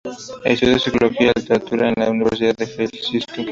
Estudió psicología y literatura en la Universidad de Helsinki.